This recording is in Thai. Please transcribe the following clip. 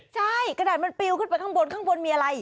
ใช่กระดาษมันปิวขึ้นไปข้างบนข้างบนมีอะไร